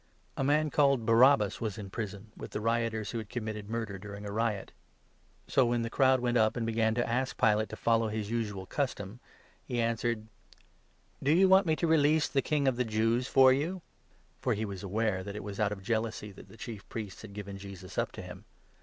A man called Barabbas was in prison, with the rioters 7 who had committed murder during a riot. So, when the crowd 8 went up and began to ask Pilate to follow his usual custom, he answered : 9 '' Do you want me to release the ' King of the Jews ' for you ?" For he was aware that it was out of jealousy that the Chief 10 Priests had given Jesus up to him.